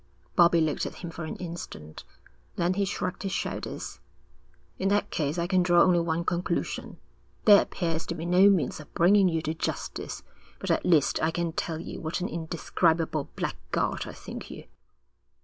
Bobbie looked at him for an instant. Then he shrugged his shoulders. 'In that case I can draw only one conclusion. There appears to be no means of bringing you to justice, but at least I can tell you what an indescribable blackguard I think you.'